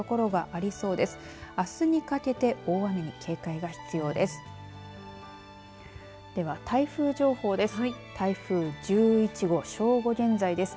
あすにかけて大雨に警戒が必要です。